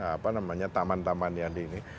apa namanya taman taman yang di ini